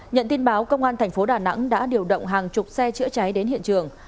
nhận tin báo công an thành phố đà nẵng đã điều động hàng chục xe chữa cháy đến hiện trường